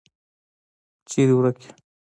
چیرته ورک یې.